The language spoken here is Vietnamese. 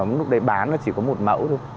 mà lúc đấy bán là chỉ có một mẫu thôi